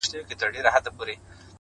اخلاص د کردار ارزښت څرګندوي